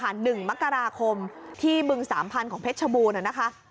หนึ่งมกราคมที่บึงสามพันธุ์ของเพชรชบูรณนะคะ